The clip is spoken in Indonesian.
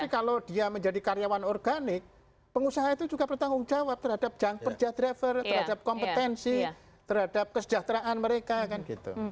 tapi kalau dia menjadi karyawan organik pengusaha itu juga bertanggung jawab terhadap kerja driver terhadap kompetensi terhadap kesejahteraan mereka kan gitu